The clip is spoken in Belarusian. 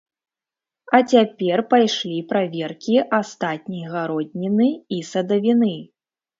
А цяпер пайшлі праверкі астатняй гародніны і садавіны.